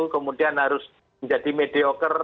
kemudian harus menjadi mediocre